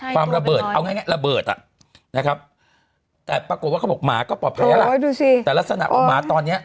ความระเบิดเอาง่ายระเบิด